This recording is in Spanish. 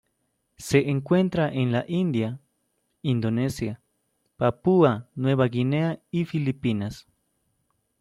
Se encuentra en la India, Indonesia, Papúa Nueva Guinea y Filipinas.